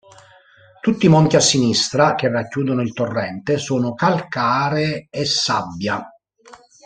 Tutti i monti a sinistra, che racchiudono il torrente, sono calcare e sabbia.